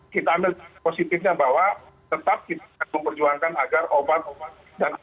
kita ambil positifnya bahwa tetap kita akan memperjuangkan agar obat obatan